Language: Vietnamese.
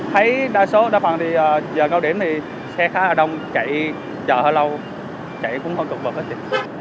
thấy đa số đa phần thì giờ cao điểm thì xe khá là đông chạy chờ hơi lâu chạy cũng hơi cực vật hết chị